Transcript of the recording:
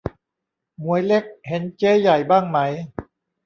หมวยเล็ก เห็นเจ๊ใหญ่บ้างไหม